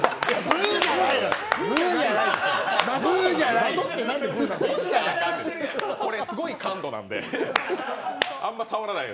ブーじゃないのよ！